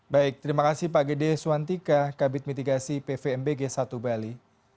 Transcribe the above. baik terima kasih pak gede swantika kabinet mitigasi pvmb g satu bali